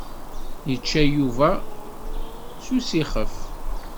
Yečča Yuba s usixef.